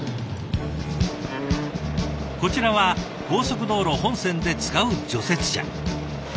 こちらは高速道路本線で使う除雪車。